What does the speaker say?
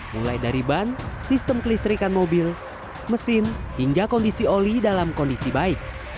mulai dari ban sistem kelistrikan mobil mesin hingga kondisi oli dalam kondisi baik